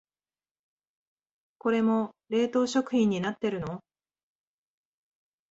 これも冷凍食品になってるの？